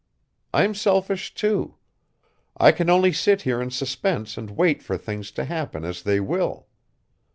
I'm selfish too. I can only sit here in suspense and wait for things to happen as they will.